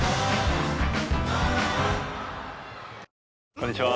こんにちは。